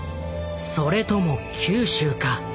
それとも九州か？